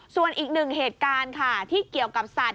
ส่วนอีกหนึ่งเหตุการณ์ค่ะที่เกี่ยวกับสัตว